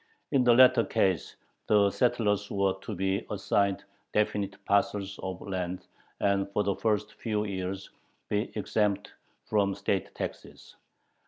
In the latter case the settlers were to be assigned definite parcels of land and, for the first few years, be exempt from state taxes.